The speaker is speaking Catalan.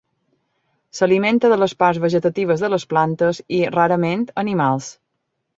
S'alimenta de les parts vegetatives de les plantes i, rarament, animals.